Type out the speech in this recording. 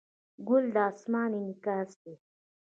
ګل د اسمان انعکاس دی.